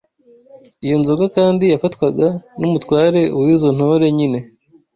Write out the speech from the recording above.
Iyo nzoga kandi yafatwaga n’umutware w’izo ntore nyine